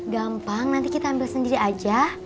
gampang nanti kita ambil sendiri aja